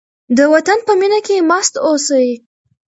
د وطن په مینه کې مست اوسئ.